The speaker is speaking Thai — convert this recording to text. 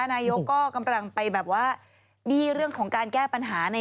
นายกก็กำลังไปแบบว่าบี้เรื่องของการแก้ปัญหาใน